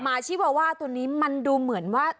ชิวาว่าตัวนี้มันดูเหมือนว่า